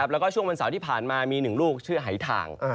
แล้วก็ช่วงวันเสาร์ที่ผ่านมามี๑ลูกเชื่อหายทาง